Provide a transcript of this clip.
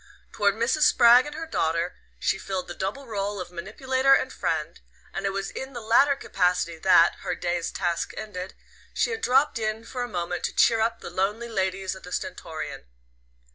Toward Mrs. Spragg and her daughter she filled the double role of manipulator and friend; and it was in the latter capacity that, her day's task ended, she had dropped in for a moment to "cheer up" the lonely ladies of the Stentorian.